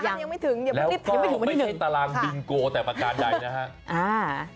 แล้วก็ไม่ใช่ตารางบิงโกแต่ประกาศใดนะฮะ